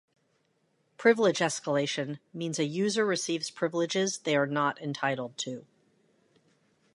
Privilege escalation means a user receives privileges they are not entitled to.